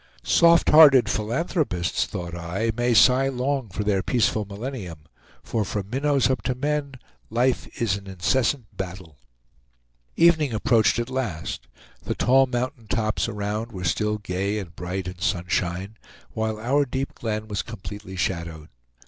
"Soft hearted philanthropists," thought I, "may sigh long for their peaceful millennium; for from minnows up to men, life is an incessant battle." Evening approached at last, the tall mountain tops around were still gay and bright in sunshine, while our deep glen was completely shadowed.